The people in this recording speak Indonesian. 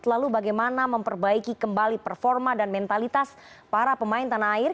lalu bagaimana memperbaiki kembali performa dan mentalitas para pemain tanah air